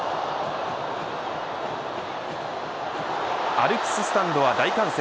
アルプススタンドは大歓声。